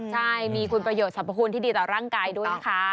ใช่มีคุณประโยชนสรรพคุณที่ดีต่อร่างกายด้วยนะคะ